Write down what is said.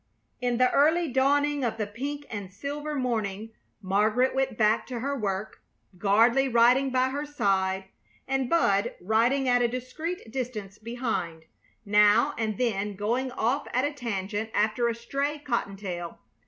In the early dawning of the pink and silver morning Margaret went back to her work, Gardley riding by her side, and Bud riding at a discreet distance behind, now and then going off at a tangent after a stray cottontail.